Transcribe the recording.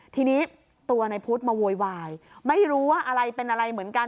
ทีนี้ตัวในพุทธมาโวยวายไม่รู้ว่าอะไรเป็นอะไรเหมือนกัน